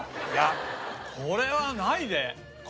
いやこれはないね。